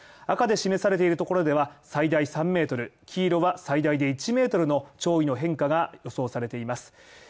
赤で示されているところでは最大３ｍ、黄色は最大で１ｍの潮位の変化が予想されています。